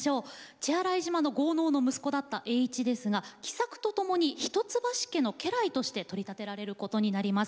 血洗島の豪農の息子だった栄一ですが喜作と共に一橋家の家来として取り立てられることになります。